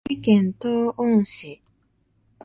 愛媛県東温市